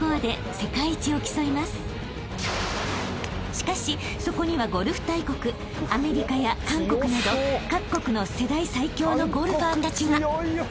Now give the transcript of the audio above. ［しかしそこにはゴルフ大国アメリカや韓国など各国の世代最強のゴルファーたちが］